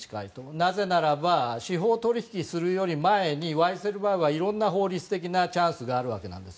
なぜならば、司法取引する前にワイセルバーグはいろんな法律的なチャンスがあるわけなんです。